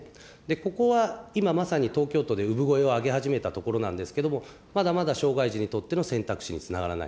ここは今まさに東京都で産声を上げはじめたところなんですけど、まだまだ障害児にとっての選択肢につながらない。